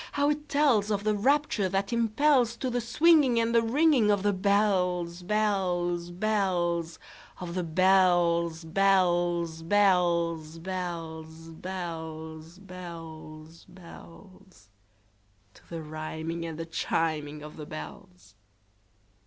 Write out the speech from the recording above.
how it tellsOf the rapture that impelsTo the swinging and the ringingOf the bells, bells, bells, Of the bells, bells, bells, bells, Bells, bells, bells—To the rhyming and the chiming of the bells!